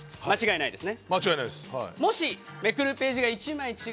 間違いないですね。